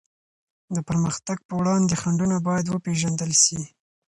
د پرمختګ په وړاندي خنډونه بايد وپېژندل سي.